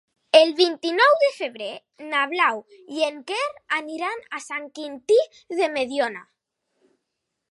El vint-i-nou de febrer na Blau i en Quer aniran a Sant Quintí de Mediona.